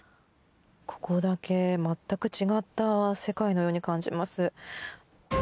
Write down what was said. ここだけ全く違った世界のように感じます。